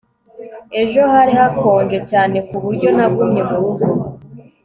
ejo hari hakonje cyane ku buryo nagumye mu rugo